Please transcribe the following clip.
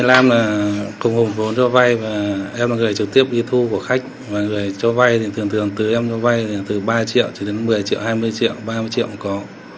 em một mươi năm là cùng gọi cho vai em là người trực tiếp đi thu của khách và người cho vai thì thường thường từ em cho vai thì từ ba triệu đến một mươi triệu hai mươi triệu ba mươi triệu cũng có